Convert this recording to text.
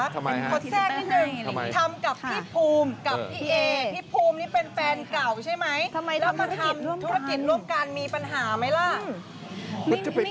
แต่ว่าหลักจะเป็นพี่ภูมิกับพี่เอ๋